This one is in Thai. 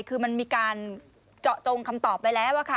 คือมันมีการเจาะจงคำตอบไปแล้วค่ะ